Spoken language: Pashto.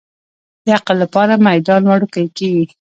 د عقل لپاره میدان وړوکی کېږي.